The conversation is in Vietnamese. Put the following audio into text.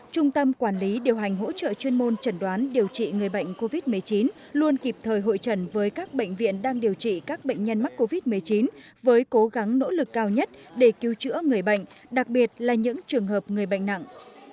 trung tâm quản lý điều hành hỗ trợ chuyên môn trần đoán điều trị người bệnh covid một mươi chín luôn kịp thời hội trần với các bệnh viện đang điều trị các bệnh nhân mắc covid một mươi chín với cố gắng nỗ lực cao nhất để cứu chữa người bệnh đặc biệt là những trường hợp người bệnh nặng